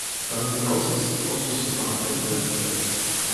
Darüber hinaus muss das Ausschussverfahren eingeleitet werden.